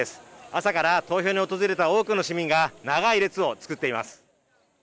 朝から投票に訪れた多くの市民が長い列を作っています。